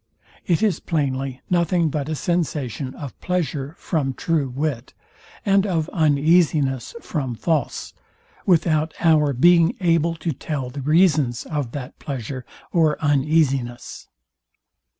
It is plainly nothing but a sensation of pleasure from true wit, and of uneasiness from false, without oar being able to tell the reasons of that pleasure or uneasiness.